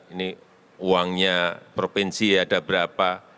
ini uangnya provinsi ada berapa